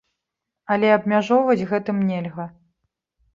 Але абмяжоўваць гэтым нельга.